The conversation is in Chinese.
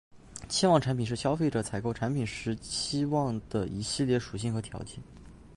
期望产品是消费者采购产品时期望的一系列属性和条件。